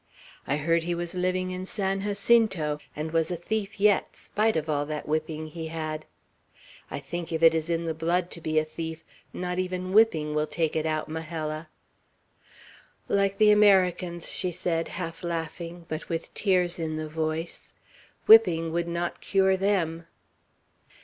I heard he was living in San Jacinto, and was a thief yet, spite of all that whipping he had. I think if it is in the blood to be a thief, not even whipping will take it out, Majella." "Like the Americans," she said, half laughing, but with tears in the voice. "Whipping would not cure them."